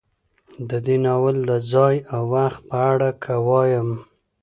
د دې ناول د ځاى او وخت په اړه که وايم